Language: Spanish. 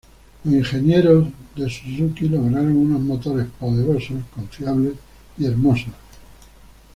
Los ingenieros e Suzuki lograron unos motores poderosos, confiables y hermosos.